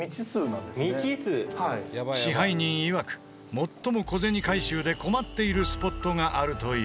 支配人いわく最も小銭回収で困っているスポットがあるという。